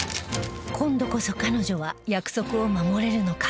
今度こそ彼女は約束を守れるのか？